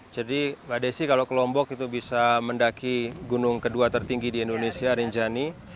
jadi mbak desi kalau ke lombok itu bisa mendaki gunung kedua tertinggi di indonesia rinjani